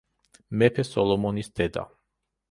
მეფე სოლომონის დედა.